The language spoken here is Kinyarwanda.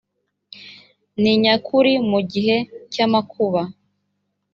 ni nyakuri mu gihe cy amakuba